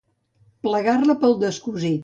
Plegar-la pel descosit.